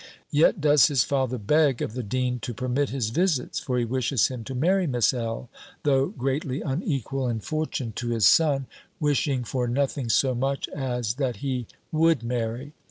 Yet does his father beg of the dean to permit his visits, for he wishes him to marry Miss L. though greatly unequal in fortune to his son, wishing for nothing so much as that he would marry.